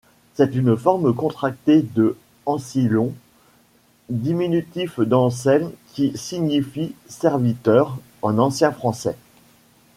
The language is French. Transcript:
C'est une forme contractée de Ancillon, diminutif d'Ancel qui signifie 'serviteur' en ancien français.